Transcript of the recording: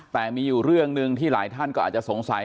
แต่มีอยู่เรื่องหนึ่งที่หลายท่านก็อาจจะสงสัย